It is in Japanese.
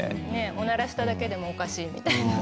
おならしただけでもおかしい。